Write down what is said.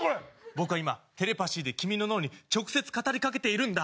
僕は今テレパシーで君の脳に直接語りかけているんだ。